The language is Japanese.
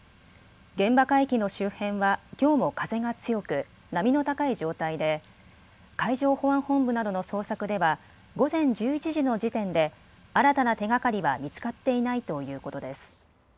現場海域の周辺はきょうも風が強く波の高い状態で海上保安本部などの捜索では午前１１時の時点で新たな手がかりは見つかっていないということです。